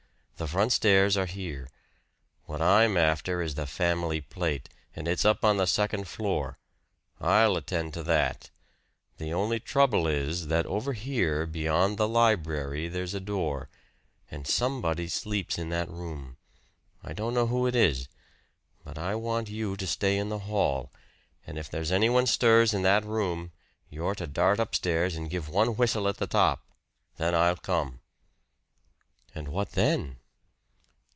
The front stairs are here. What I'm after is the family plate, and it's up on the second floor. I'll attend to that. The only trouble is that over here beyond the library there's a door, and, somebody sleeps in that room. I don't know who it is. But I want you to stay in the hall, and if there's anyone stirs in that room you're to dart upstairs and give one whistle at the top. Then I'll come." "And what then?"